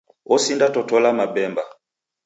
Osindatotola mabemba.